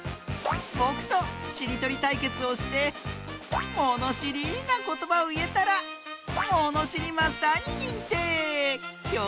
ぼくとしりとりたいけつをしてものしりなことばをいえたらもにしりマスターににんてい！